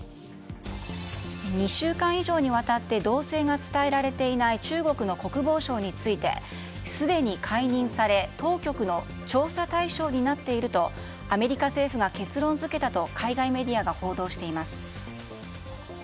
２週間以上にわたって動静が伝えられていない中国の国防相についてすでに解任され当局の調査対象になっているとアメリカ政府が結論付けたと海外メディアが報道しています。